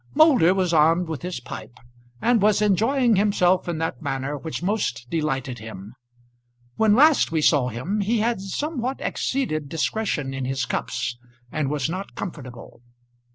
Moulder was armed with his pipe, and was enjoying himself in that manner which most delighted him. When last we saw him he had somewhat exceeded discretion in his cups, and was not comfortable.